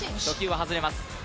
初球は外れます。